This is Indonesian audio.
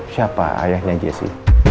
siapa ayahnya jesse